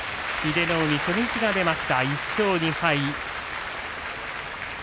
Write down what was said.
初日が出ました１勝２敗。